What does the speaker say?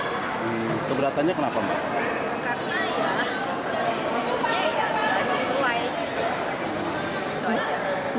pelayanannya sih oke cuman kan maksudnya kenapa enggak disikir sikir